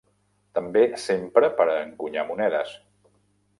També s'empra per a encunyar monedes.